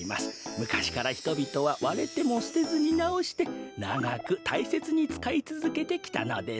むかしからひとびとはわれてもすてずになおしてながくたいせつにつかいつづけてきたのです。